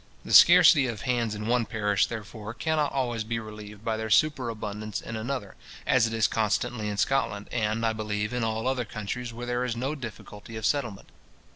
The scarcity of hands in one parish, therefore, cannot always be relieved by their superabundance in another, as it is constantly in Scotland, and I believe, in all other countries where there is no difficulty of settlement.